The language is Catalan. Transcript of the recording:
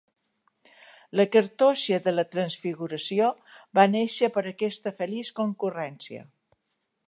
La Cartoixa de la Transfiguració va néixer per aquesta feliç concurrència.